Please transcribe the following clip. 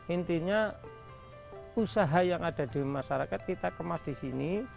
intinya usaha yang ada di masyarakat kita kemas di sini